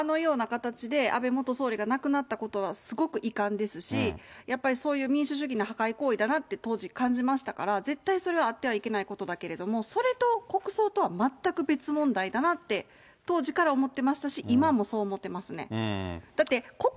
私もあのような形で安倍総理が亡くなったことはすごくいかんですし、やっぱり民主主義の破壊行為だなと思うし、絶対それはあってはいけないことだけれども、それと国葬とは全く別問題だなって、当時から思っていましたし、今もそう思っていますね。